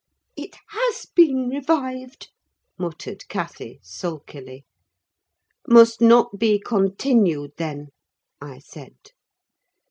"It has been revived," muttered Cathy, sulkily. "Must not be continued, then," I said.